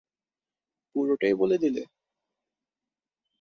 পুরোটাই বলে দিলে?